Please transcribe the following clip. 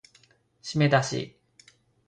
しめだし